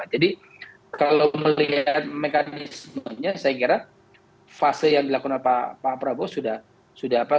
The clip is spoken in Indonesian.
jadi kalau melihat mekanismenya saya kira fase yang dilakukan pak prabowo sudah sudah apa